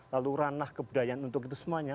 lalu ranah kebudayaan untuk itu semuanya